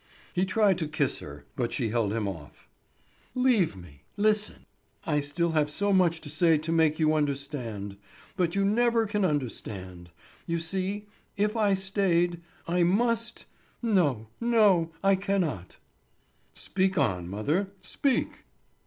He tried to kiss her, but she held him off. "Leave me—listen; I still have so much to say to make you understand. But you never can understand. You see, if I stayed—I must—no, no. I cannot." "Speak on, mother, speak."